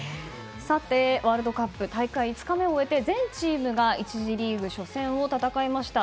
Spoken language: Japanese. さて、ワールドカップ大会５日目を終えて全チームが１次リーグ初戦を戦いました。